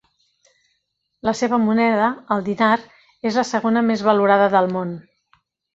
La seva moneda, el dinar, és la segona més valorada del món.